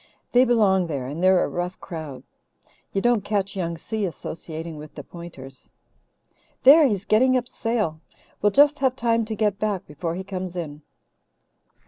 "They belong there and they're a rough crowd. You don't catch Young Si associating with the Pointers. There, he's getting up sail. We'll just have time to get back before he comes in."